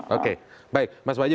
oke baik mas wadidaw